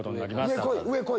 上こい！